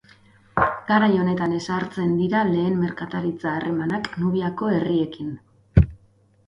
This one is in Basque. Garai honetan ezartzen dira lehen merkataritza harremanak Nubiako herriekin.